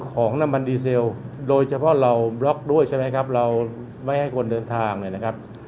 ของน้ำมันดีเซลโดยเฉพาะเราบล็อกด้วยใช่ไหมครับเราไม่ให้คนเดินทางเลยนะครับ